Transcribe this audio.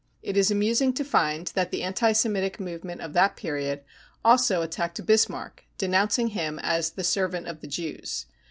It is amusing to find that the anti Semitic move ment of that period also attacked Bismarck, denouncing him as c< the servant of the Jews."